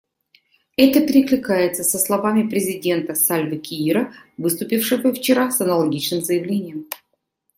Это перекликается со словами президента Сальвы Киира, выступившего вчера с аналогичным заявлением.